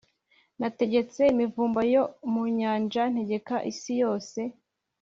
Nategetse imivumba yo mu nyanja, ntegeka isi yose,